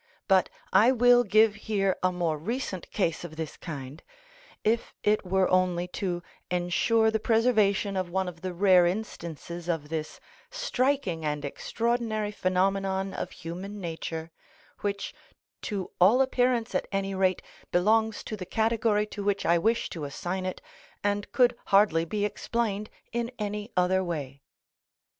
But I will give here a more recent case of this kind, if it were only to ensure the preservation of one of the rare instances of this striking and extraordinary phenomenon of human nature, which, to all appearance at any rate, belongs to the category to which I wish to assign it and could hardly be explained in any other way.